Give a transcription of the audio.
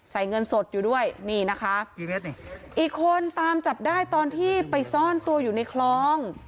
เงินสดอยู่ด้วยนี่นะคะอีกคนตามจับได้ตอนที่ไปซ่อนตัวอยู่ในคลอง